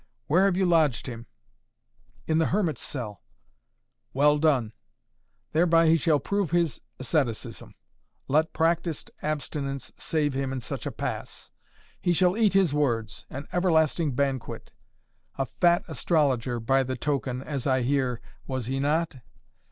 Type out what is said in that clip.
Where have you lodged him?" "In the Hermit's cell " "Well done! Thereby he shall prove his asceticism. Let practised abstinence save him in such a pass! He shall eat his words an everlasting banquet. A fat astrologer by the token as I hear, was he not?"